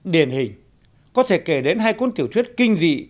điển hình có thể kể đến hai cuốn tiểu thuyết kinh dị